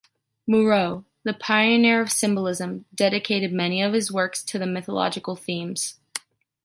Moreau, the pioneer of symbolism, dedicated many of his works to mythological themes.